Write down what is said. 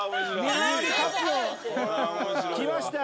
きました。